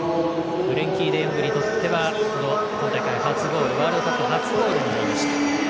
フレンキー・デヨングにとっては今大会、ワールドカップ初ゴールになりました。